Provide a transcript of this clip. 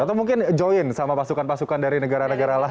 atau mungkin join sama pasukan pasukan dari negara negara lain